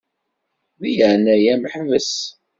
Di leɛnaya-m ḥbes.